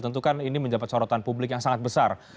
tentukan ini menjelaskan sorotan publik yang sangat besar